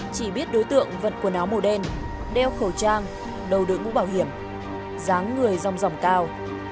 chị biết đối tượng vật quần áo màu đen đeo khẩu trang đầu đôi mũ bảo hiểm dáng người dòng dòng cao